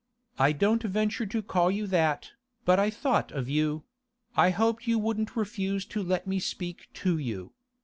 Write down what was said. I don't venture to call you that, but I thought of you; I hoped you wouldn't refuse to let me speak to you.